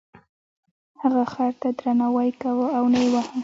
هغه خر ته درناوی کاوه او نه یې واهه.